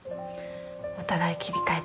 お互い切り替えて。